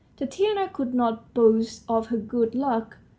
.. Tatiana could not boast of her good luck.